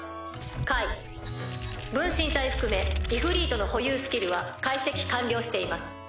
解「分身体」含めイフリートの保有スキルは解析完了しています。